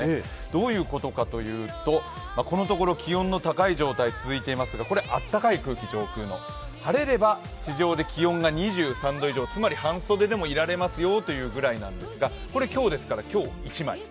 どういうことかというとこのところ気温の高い状態が続いていますがこれあったかい空気、上空の晴れれば地上で２３度以上、つまい半袖でもいられますよという気温なんですが、これ、今日ですから、今日１枚。